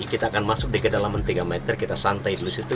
kita akan masuk ke dalam tiga meter kita santai dulu di situ